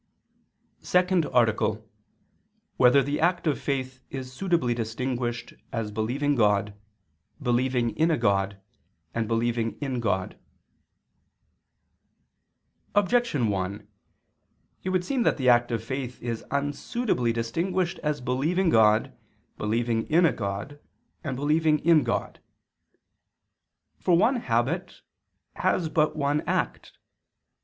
_______________________ SECOND ARTICLE [II II, Q. 2, Art. 2] Whether the Act of Faith Is Suitably Distinguished As Believing God, Believing in a God and Believing in God? Objection 1: It would seem that the act of faith is unsuitably distinguished as believing God, believing in a God, and believing in God. For one habit has but one act.